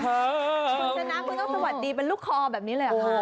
คุณชนะคุณต้องสวัสดีเป็นลูกคอแบบนี้เลยเหรอคะ